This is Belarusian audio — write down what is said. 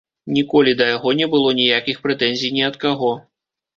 Ніколі да яго не было ніякіх прэтэнзій ні ад каго.